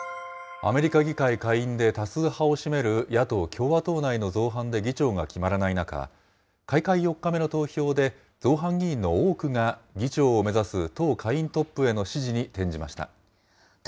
アメリカ議会下院で多数派を占める野党・共和党内の造反で議長が決まらない中、開会４日目の投票で、造反議員の多くが議長を目指す党下院トップへの支持に転じました。